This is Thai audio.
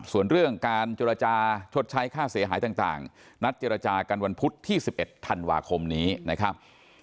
ส่วนเรื่องการเจรจาชดใช้ค่าเสียหายต่างนัดเจรจากันวันพุธที่๑๑ธันวาคมนี้นะครับ